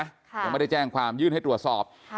ยังไม่ได้แจ้งความยื่นให้ตรวจสอบ